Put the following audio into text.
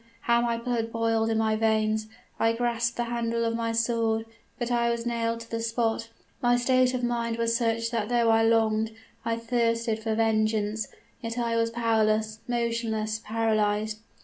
how my blood boiled in my veins! I grasped the handle of my sword but I was nailed to the spot my state of mind was such that though I longed I thirsted for vengeance yet was I powerless motionless paralyzed.